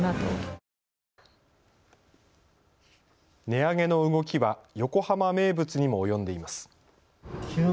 値上げの動きは横浜名物にも及んでいます。